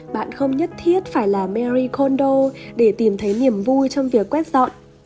bạn không nhất thiết phải làm marie kondo để tìm thấy niềm vui trong việc quét dọn